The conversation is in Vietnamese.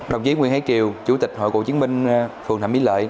đồng chí nguyễn hải triều chủ tịch hội cựu chiến binh phường thạnh mỹ lợi